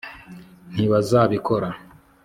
ntibazabikora